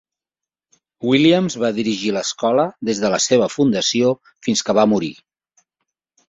Williams va dirigir l'escola des de la seva fundació fins que va morir.